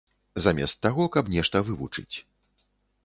Замест таго, каб нешта вывучыць.